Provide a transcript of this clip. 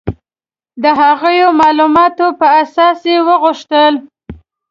د هغو معلوماتو په اساس یې غوښتل.